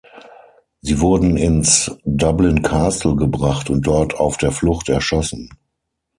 Sie wurden ins Dublin Castle gebracht und dort „auf der Flucht“ erschossen.